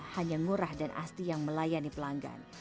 hanya ngurah dan asti yang melayani pelanggan